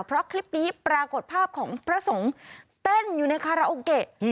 เพราะคลิปนี้ปรากฏภาพของพระสงฆ์เต้นอยู่ในคาราโอเกะ